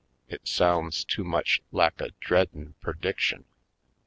It sounds too much lak a dreadin' perdiction.